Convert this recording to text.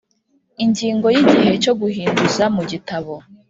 Ingingo yigihe cyo guhinduza mu gitabo